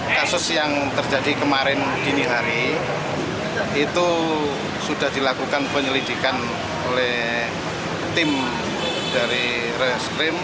kasus yang terjadi kemarin dini hari itu sudah dilakukan penyelidikan oleh tim dari reskrim